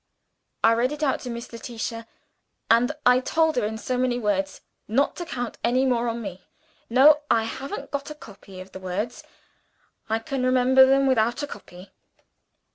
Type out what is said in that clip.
I read it out to Miss Letitia; and I told her in so many words, not to count any more on me. No; I haven't got a copy of the words I can remember them without a copy.